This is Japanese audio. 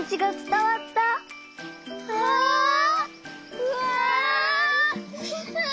うわ！